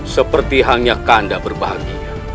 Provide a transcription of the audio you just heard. seperti hanya kanda berbahagia